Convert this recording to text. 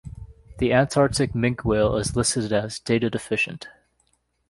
The Antarctic minke whale is listed as Data Deficient.